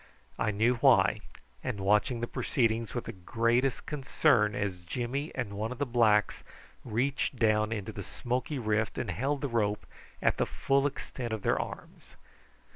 I knew why, and watched the proceedings with the greatest concern as Jimmy and one of the blacks reached down into the smoky rift and held the rope at the full extent of their arms.